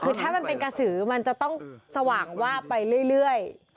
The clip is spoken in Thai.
คือถ้ามันเป็นกระสือมันจะต้องสว่างวาบไปเรื่อย